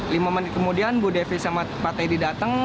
lima menit kemudian bu devi sama pak teddy datang